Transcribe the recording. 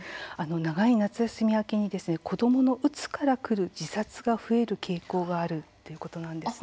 長い夏休み明けに子どものうつからくる自殺が増える傾向があるということなんです。